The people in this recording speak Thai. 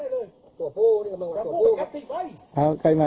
เหลืองเท้าอย่างนั้น